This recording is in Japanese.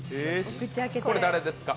これ誰ですか？